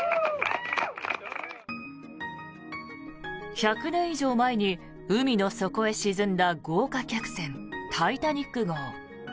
１００年以上前に海の底へ沈んだ豪華客船「タイタニック号」。